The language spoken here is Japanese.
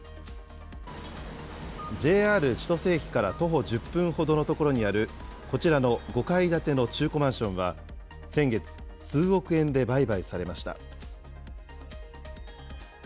ＪＲ千歳駅から徒歩１０分ほどの所にある、こちらの５階建ての中古マンションは、先月、数億円で売買されました。